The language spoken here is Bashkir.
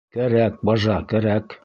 Кәрәк, бажа, кәрәк.